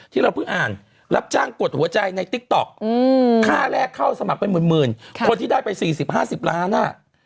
ที่เราเพิ่งอ่านรับจ้างกดหัวใจในติ๊กต๊อกค่าแรกเข้าสมัครเป็นหมื่นคนที่ได้ไป๔๐๕๐ล้านอ่ะ